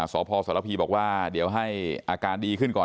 สพสรพีบอกว่าเดี๋ยวให้อาการดีขึ้นก่อน